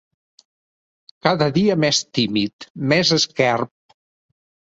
Cada dia més tímid, més esquerp